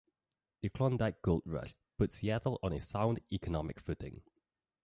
The Klondike Gold Rush put Seattle on a sound economic footing.